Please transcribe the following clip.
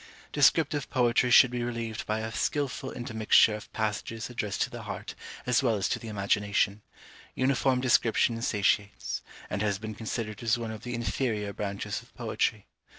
Descriptive poetry should be relieved by a skilful intermixture of passages addressed to the heart as well as to the imagination: uniform description satiates; and has been considered as one of the inferior branches of poetry.